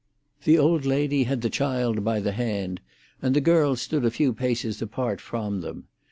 The old lady had the child by the hand, and the girl stood a few paces apart from them.